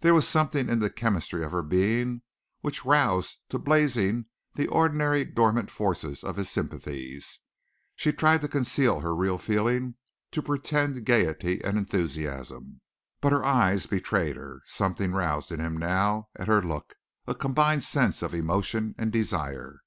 There was something in the chemistry of her being which roused to blazing the ordinarily dormant forces of his sympathies. She tried to conceal her real feeling to pretend gaiety and enthusiasm, but her eyes betrayed her. Something roused in him now at her look a combined sense of emotion and desire.